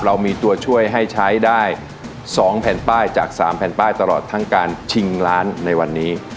เรามีตัวช่วยให้ใช้ได้๒แผ่นป้ายจาก๓แผ่นป้ายตลอดทั้งการชิงล้านในวันนี้